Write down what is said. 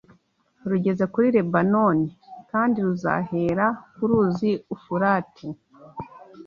rugeze kuri Lebanoni, kandi ruzahera ku ruzi Ufurate